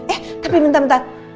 eh tapi bentar bentar